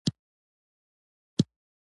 دوی ټوریزم ته ځانګړې توجه کوي.